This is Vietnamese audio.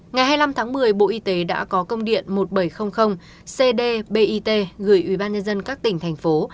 ngày hai mươi năm tháng một mươi bộ y tế đã có công điện một nghìn bảy trăm linh cd bit gửi ubnd các tỉnh thành phố